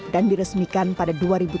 dan diresmikan pada dua ribu tiga belas